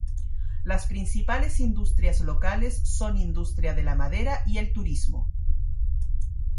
Las principales industrias locales son industria de la madera y el turismo.